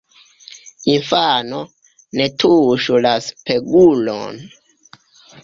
Infano, ne tuŝu la spegulon!